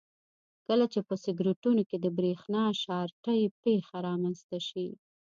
کله چې په سرکټونو کې د برېښنا شارټۍ پېښه رامنځته شي.